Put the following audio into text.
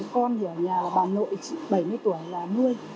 con ở nhà là bà nội bảy mươi tuổi là mươi